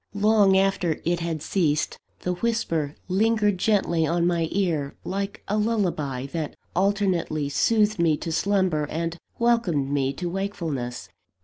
Long after it had ceased, the whisper lingered gently on my ear, like a lullaby that alternately soothed me to slumber, and welcomed me to wakefulness.